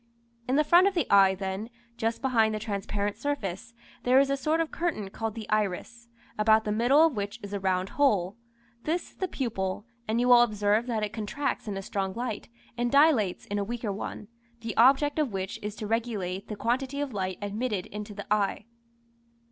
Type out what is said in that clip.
In the front of the eye then, just behind the transparent surface, there is a sort of curtain called the iris, about the middle of which is a round hole. This is the pupil, and you will observe that it contracts in a strong light, and dilates in a weaker one, the object of which is to regulate the quantity of light admitted into the eye.